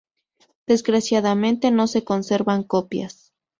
Desgraciadamente no se conservan copias.